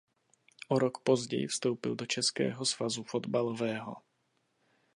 O rok později vstoupil do Českého svazu fotbalového.